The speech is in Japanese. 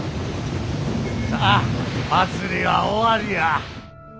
さぁ祭りは終わりや！